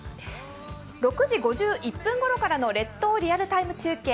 ６時５１分頃からの「列島リアルタイム中継」。